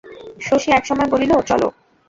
শশী একসময় বলিল, চলো।